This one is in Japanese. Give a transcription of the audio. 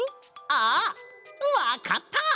あっわかった！